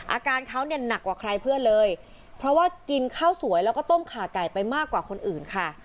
อาการเขาเนี่ยหนักกว่าใครเพื่อนเลยเพราะว่ากินข้าวสวยแล้วก็ต้มขาไก่ไปมากกว่าคนอื่นค่ะ